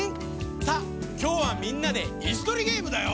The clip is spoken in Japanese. さあきょうはみんなでいすとりゲームだよ。